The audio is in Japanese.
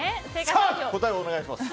答えをお願いします。